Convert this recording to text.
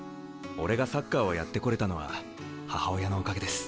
俺がサッカーをやってこれたのは母親のおかげです。